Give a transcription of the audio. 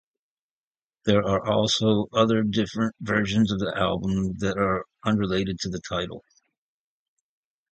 There are also different versions of the album that are unrelated to the title.